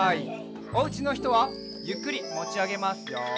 おうちのひとはゆっくりもちあげますよ。